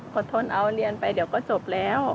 อดทนเอาเรียนไปเดี๋ยวก็จบแล้ว